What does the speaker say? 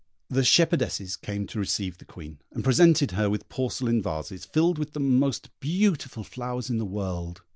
The shepherdesses came to receive the Queen, and presented her with porcelain vases, filled with the most beautiful flowers in the world.